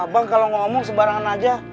bang kalau ngomong sebarangan aja